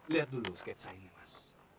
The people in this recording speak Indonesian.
lihat dulu sketsa ini mas